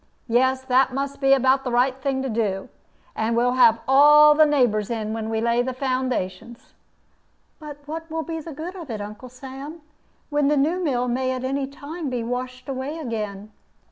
Yes, that must be about the right thing to do. And we'll have all the neighbors in when we lay foundations." "But what will be the good of it, Uncle Sam, when the new mill may at any time be washed away again?"